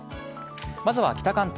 まずは北関東。